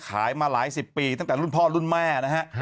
ขายมาหลายสิบปีตั้งแต่รุ่นพ่อรุ่นแม่นะฮะ